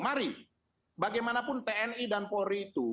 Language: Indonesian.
mari bagaimanapun tni dan polri itu